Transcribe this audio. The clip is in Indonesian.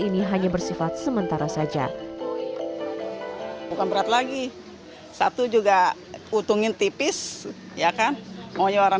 ini hanya bersifat sementara saja bukan berat lagi satu juga utungin tipis ya kan maunya orang